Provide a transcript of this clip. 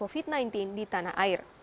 dari penyebaran covid sembilan belas di tanah air